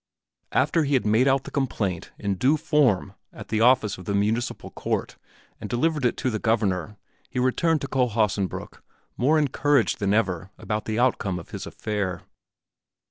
After he had made out the complaint in due form at the office of the municipal court and delivered it to the Governor, he returned to Kohlhaasenbrück, more encouraged than ever about the outcome of his affair.